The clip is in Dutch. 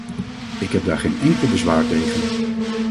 Ik heb daar geen enkel bezwaar tegen.